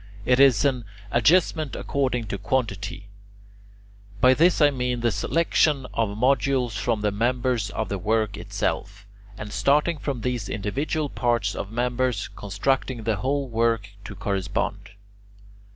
It is an adjustment according to quantity (in Greek [Greek: posotes]). By this I mean the selection of modules from the members of the work itself and, starting from these individual parts of members, constructing the whole work to correspond.